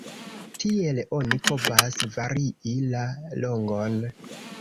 Tiel oni povas varii la longon.